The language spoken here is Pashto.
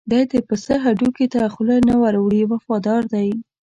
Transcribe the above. دی د پسه هډوکي ته خوله نه ور وړي وفادار دی.